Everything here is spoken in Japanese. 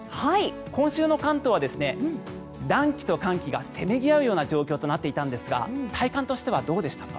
今週の関東は暖気と寒気がせめぎ合うような状況となっていたんですが体感としてはどうでしたか？